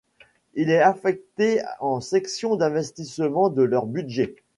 Il est affecté en section d'investissement de leurs budgets.